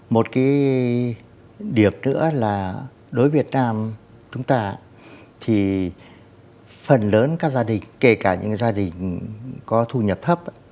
một cái điểm nữa là đối với việt nam chúng ta thì phần lớn các gia đình kể cả những gia đình có thu nhập thấp